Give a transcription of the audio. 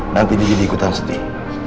nanti dia diikutan sedih